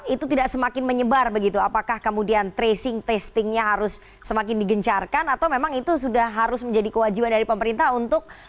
itu tidak semakin menyebar begitu apakah kemudian tracing testingnya harus semakin digencarkan atau memang itu sudah harus menjadi kewajiban dari pemerintah untuk